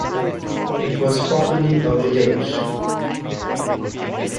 It was formerly a village.